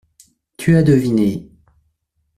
Tu as deviné.